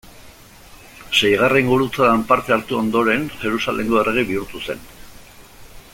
Seigarren Gurutzadan parte hartu ondoren, Jerusalengo errege bihurtu zen.